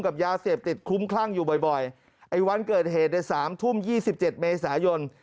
กับยาเสพติดคลุ้มคลั่งอยู่บ่อยไอ้วันเกิดเหตุในสามทุ่ม๒๗เมษายน